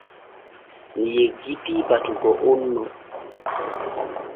Mi yeggitii batugo on no.